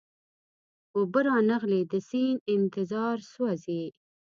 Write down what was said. اوبه را نغلې د سیند انتظار سوزی